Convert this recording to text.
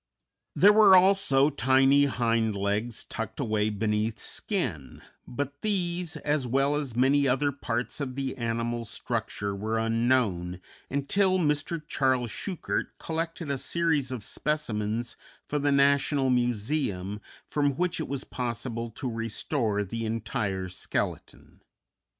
There were also tiny hind legs tucked away beneath skin, but these, as well as many other parts of the animal's structure were unknown, until Mr. Charles Schuchert collected a series of specimens for the National Museum, from which it was possible to restore the entire skeleton.